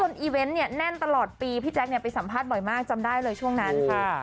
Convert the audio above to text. อีเวนต์เนี่ยแน่นตลอดปีพี่แจ๊คเนี่ยไปสัมภาษณ์บ่อยมากจำได้เลยช่วงนั้นค่ะ